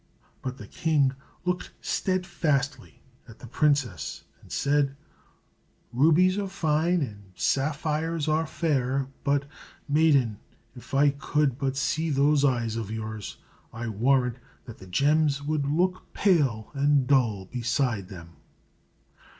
But the king looked steadfastly at the princess, and said, "Rubies are fine, and sapphires are fair; but, maiden, if I could but see those eyes of yours, I warrant that the gems would look pale and dull beside them."